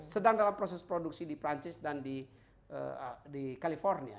sedang dalam proses produksi di perancis dan di california